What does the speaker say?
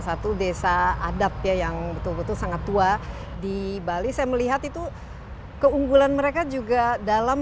satu desa adat ya yang betul betul sangat tua di bali saya melihat itu keunggulan mereka juga dalam